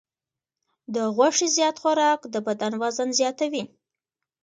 د غوښې زیات خوراک د بدن وزن زیاتوي.